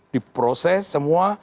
di proses semua